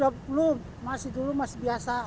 belum masih dulu masih biasa